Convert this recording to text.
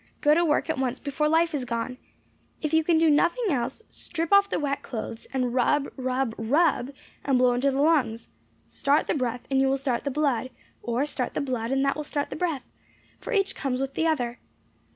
Go to work at once before life is gone. If you can do nothing else strip off the wet clothes, and rub, rub, RUB, and blow into the lungs. Start the breath, and you will start the blood, or start the blood, and that will start the breath, for each comes with the other.